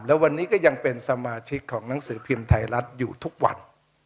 และวันนี้ก็ยังเป็นสมาชิกของหนังสือพิมพ์ไทยรัฐอยู่ทุกวัน